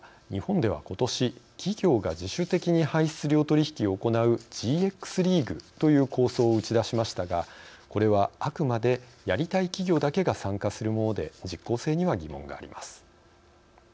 日本では、ことし企業が自主的に排出量取引を行うＧＸリーグという構想を打ち出しましたがこれは、あくまでやりたい企業だけが参加するもので実効性には疑問があります。